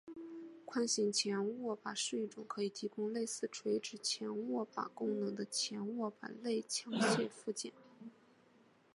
宽型前握把是一种可以提供类似垂直前握把功能的前握把类枪械附件。